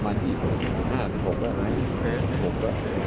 ทุกที่ได้เรียบร้อย